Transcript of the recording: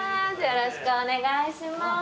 よろしくお願いします。